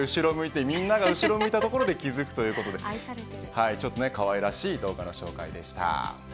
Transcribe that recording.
みんなが後ろを向いたところで気づくというところでかわいらしい動画の紹介でした。